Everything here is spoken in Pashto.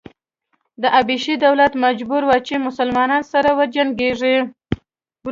د حبشې دولت مجبور و چې مسلنانو سره وجنګېږي.